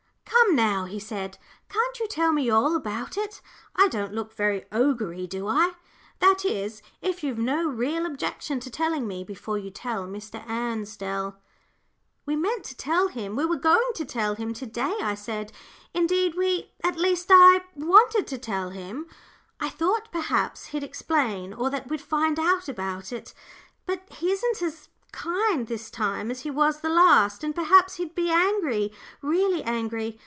"Come now," he said, "can't you tell me all about it? I don't look very ogre y, do I? That is, if you've no real objection to telling me before you tell Mr. Ansdell." "We meant to tell him; we were going to tell him to day," I said. "Indeed, we, at least I, wanted to tell him. I thought perhaps he'd explain, or that we'd find out about it. But he isn't as kind this time as he was the last, and perhaps he'd be angry, really angry.